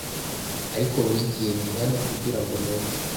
Ariko buri gihe ndi hano kugirango numve